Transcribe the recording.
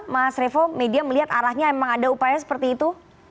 mas revo media melihat arahnya memang ada upaya seperti itu